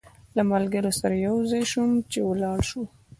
له ملګرو سره یو ځای شوم چې ولاړ شو.